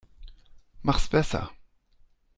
Mach's besser.